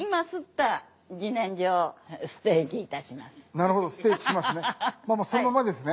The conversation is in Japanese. なるほどステーキしますね。